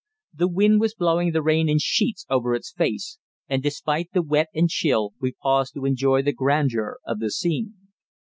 The wind was blowing the rain in sheets over its face, and, despite the wet and chill, we paused to enjoy the grandeur of the scene.